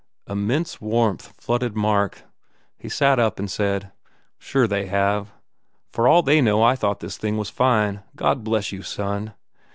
Immense warmth flooded Mark. He sat up and said, "Sure they have. For all they know I thought this thing was fine ... God bless you, son